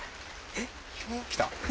えっ？きた？